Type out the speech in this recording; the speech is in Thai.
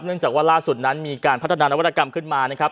จากว่าล่าสุดนั้นมีการพัฒนานวัตกรรมขึ้นมานะครับ